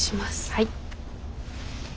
はい。